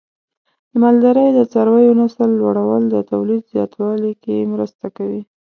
د مالدارۍ د څارویو نسل لوړول د تولید زیاتوالي کې مرسته کوي.